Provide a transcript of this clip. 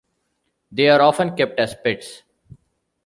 They are often kept as pets.